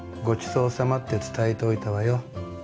ごちそうさまって伝えておいたわよ